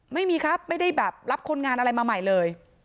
ไม่มีครับไม่ได้แบบรับคนงานอะไรมาใหม่เลย